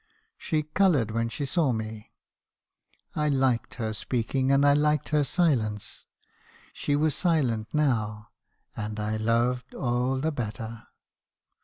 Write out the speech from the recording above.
" She coloured when she saw me. I liked her speaking, and I liked her silence. She was silent now, and I 'lo'ed a' the better.'